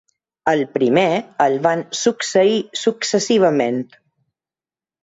El primer el van succeir successivament.